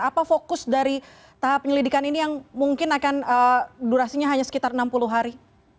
apa fokus dari tahap penyelidikan ini yang mungkin akan durasinya hanya sekitar enam puluh hari